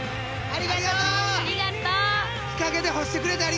ありがとう！